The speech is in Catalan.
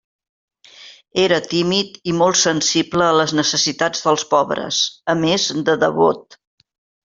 Era tímid i molt sensible a les necessitats dels pobres, a més de devot.